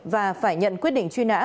và phải nhận quyết định truy nã